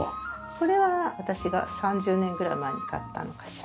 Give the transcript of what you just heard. これは私が３０年ぐらい前に買ったのかしら？